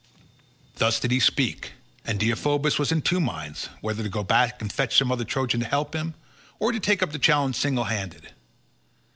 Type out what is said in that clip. Thus did he speak, and Deiphobus was in two minds, whether to go back and fetch some other Trojan to help him, or to take up the challenge single handed.